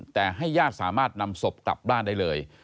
แต่ให้ญาติสามารถนำศพกลับบ้านได้เลย